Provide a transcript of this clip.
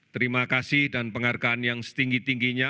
terima kasih dan penghargaan yang setinggi tingginya